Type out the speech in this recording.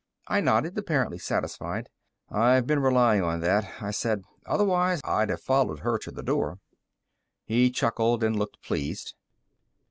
I nodded, apparently satisfied. "I've been relying on that," I said. "Otherwise, I'd have followed her to the door." He chuckled and looked pleased.